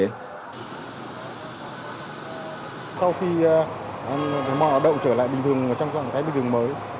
mọi hoạt động trở lại bình thường trong trạng thái bình thường mới